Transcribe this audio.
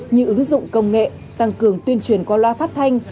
như ứng dụng công nghệ tăng cường tuyên truyền qua loa phát thanh